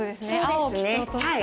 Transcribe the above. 青を基調とした。